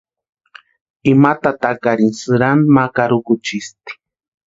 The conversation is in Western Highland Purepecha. Ima tatakarini sïranta ma karukuchisti.